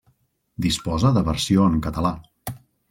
Disposa de versió en català.